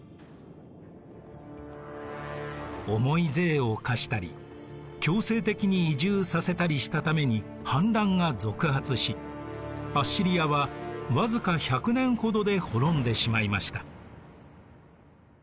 重い税を課したり強制的に移住させたりしたために反乱が続発しアッシリアはわずか１００年ほどで滅んでしまいました。